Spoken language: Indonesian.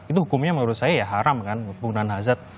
itu hukumnya menurut saya ya haram kan penggunaan hazard